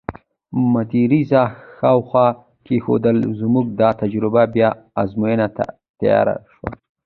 مېده رېزه ښاخونه کېښودل، زموږ دا تجربه بیا ازموینې ته تیاره شوه.